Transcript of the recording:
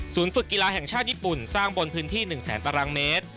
ฝึกกีฬาแห่งชาติญี่ปุ่นสร้างบนพื้นที่๑แสนตารางเมตร